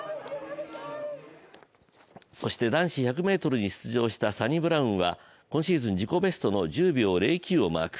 そして男子１００ｍに出場したサニブラウンは今シーズン自己ベストの１０秒０９をマーク。